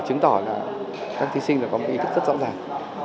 chứng tỏ là các thí sinh phải có một ý thức rất rõ ràng